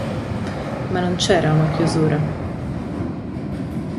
Ma non c'era una chiusura.